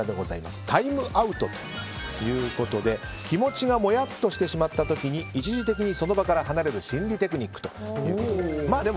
タイムアウトということで気持ちがもやっとしてしまった時一時的にその場から離れる心理テクニックということで。